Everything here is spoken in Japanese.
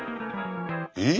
えっ？